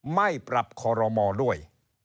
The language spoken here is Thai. ไม่ปรับคอรมอด้วย